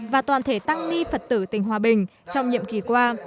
và toàn thể tăng ni phật tử tỉnh hòa bình trong nhiệm kỳ qua